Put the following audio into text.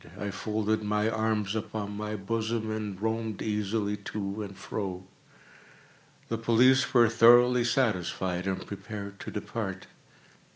I folded my arms upon my bosom, and roamed easily to and fro. The police were thoroughly satisfied and prepared to depart.